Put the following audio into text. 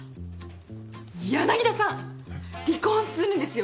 柳田さん離婚するんですよ！